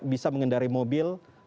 bisa mengendari mobil